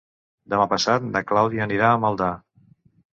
Demà passat na Clàudia anirà a Maldà.